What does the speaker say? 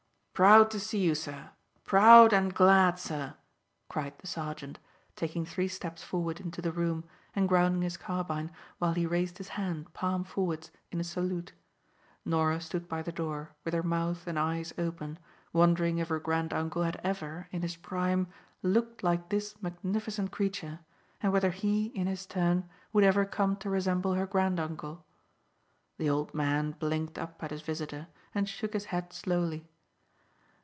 "Proud to see you, sir proud and glad, sir," cried the sergeant, taking three steps forward into the room, and grounding his carbine while he raised his hand, palm forwards, in a salute. Norah stood by the door, with her mouth and eyes open, wondering if her granduncle had ever, in his prime, looked like this magnificent creature, and whether he, in his turn, would ever come to resemble her granduncle. The old man blinked up at his visitor, and shook his head slowly.